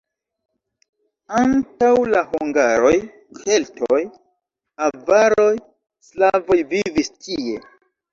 Antaŭ la hungaroj keltoj, avaroj, slavoj vivis tie.